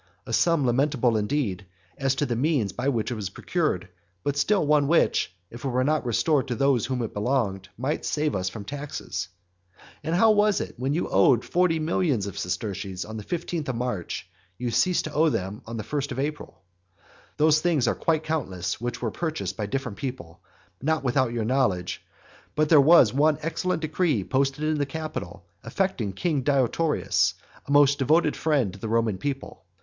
a sum lamentable indeed, as to the means by which it was procured, but still one which, if it were not restored to those to whom it belonged, might save us from taxes. And how was it, that when you owed forty millions of sesterces on the fifteenth of March, you had ceased to owe them by the first of April? Those things are quite countless which were purchased of different people, not without your knowledge; but there was one excellent decree posted up in the Capitol affecting king Deiotarus, a most devoted friend to the Roman people.